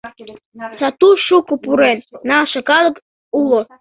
Сату шуко пурен, налше калык уло.